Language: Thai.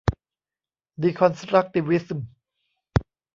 ดีคอนสตรัคติวิสม์